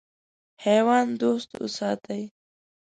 حیوان دوست وساتئ.